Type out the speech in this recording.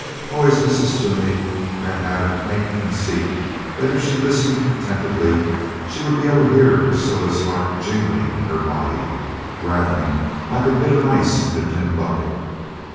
Always Mrs. Toomey had had a quaint conceit that if she listened attentively she would be able to hear Priscilla's heart jingling in her body rattling like a bit of ice in a tin bucket.